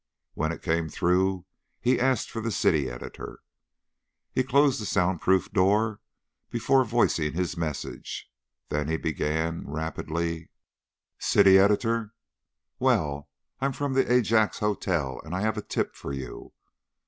When it came through he asked for the city editor. He closed the sound proof door before voicing his message, then he began, rapidly: "City editor? Well, I'm from the Ajax Hotel, and I have a tip for you.